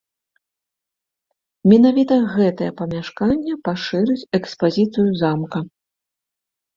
Менавіта гэтае памяшканне пашырыць экспазіцыю замка.